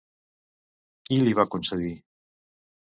Qui li va concedir?